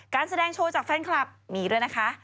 การแสดงโชว์จากแฟนคลับมีด้วยนะคะ